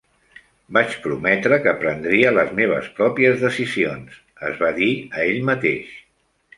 "Vaig prometre que prendria les meves pròpies decisions", es va dir a ell mateix.